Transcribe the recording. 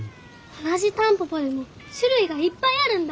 同じタンポポでも種類がいっぱいあるんだ？